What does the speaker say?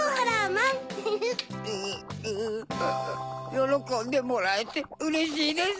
よろこんでもらえてうれしいです！